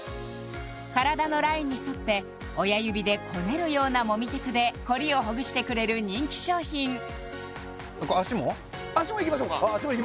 体のラインに沿って親指で「こねる」ようなもみテクでコリをほぐしてくれる人気商品足もいきましょうかね